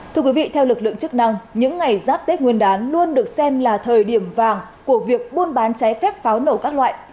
thưa quý vị theo lực lượng chức năng những ngày giáp tết nguyên đán luôn được xem là thời điểm vàng của việc buôn bán trái phép pháo nổ các loại